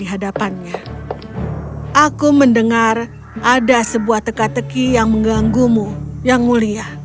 aku mendengar ada sebuah teka teki yang mengganggumu yang mulia